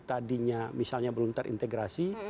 tadinya misalnya belum terintegrasi